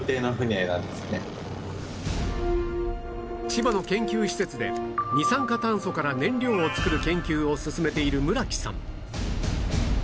千葉の研究施設で二酸化炭素から燃料を作る研究を進めている村木さん